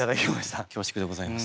恐縮でございます。